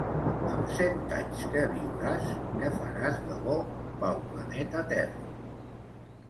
Amb cent anys que viuràs, què faràs de bo pel planeta Terra?